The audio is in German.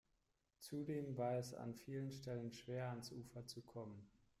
Zudem war es an vielen Stellen schwer, ans Ufer zu kommen.